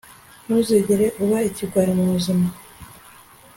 ntuzigere uba ikigwari mubuzima